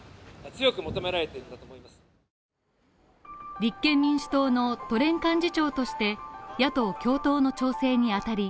立憲民主党の都連幹事長として野党共闘の調整にあたり